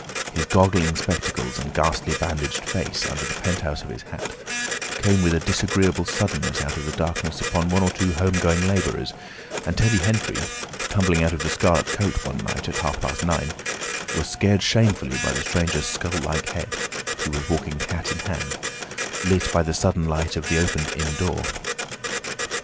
His goggling spectacles and ghastly bandaged face under the penthouse of his hat, came with a disagreeable suddenness out of the darkness upon one or two home going labourers, and Teddy Henfrey, tumbling out of the "Scarlet Coat" one night, at half past nine, was scared shamefully by the stranger's skull like head (he was walking hat in hand) lit by the sudden light of the opened inn door.